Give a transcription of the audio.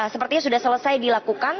sepertinya sudah selesai dilakukan